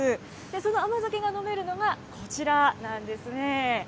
その甘酒が飲めるのがこちらなんですね。